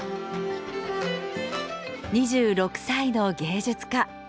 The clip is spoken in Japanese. ２６歳の芸術家。